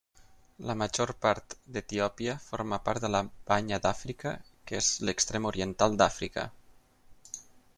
La major part d'Etiòpia forma part de la Banya d'Àfrica, que és l'extrem oriental d'Àfrica.